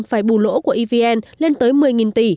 phải bù lỗ của evn lên tới một mươi tỷ